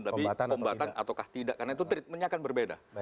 tapi kombatan ataukah tidak karena itu treatmentnya akan berbeda